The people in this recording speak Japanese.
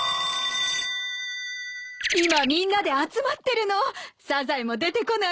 ☎今みんなで集まってるのサザエも出てこない？